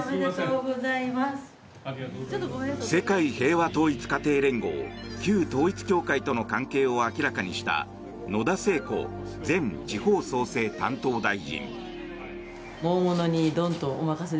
世界平和統一家庭連合旧統一教会との関係を明らかにした野田聖子前地方創生担当大臣。